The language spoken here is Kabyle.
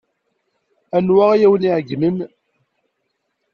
Anwa ay awen-iɛeyynen?